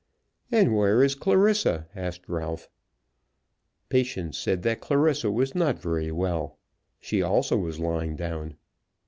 "And where is Clarissa?" asked Ralph. Patience said that Clarissa was not very well. She also was lying down.